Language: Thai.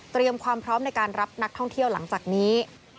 ความพร้อมในการรับนักท่องเที่ยวหลังจากนี้